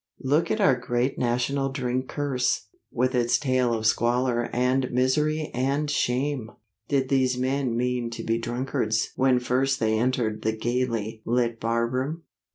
Look at our great national drink curse, with its tale of squalor and misery and shame! Did these men mean to be drunkards when first they entered the gaily lit bar room?